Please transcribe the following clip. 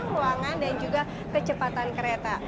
ruangan dan juga kecepatan kereta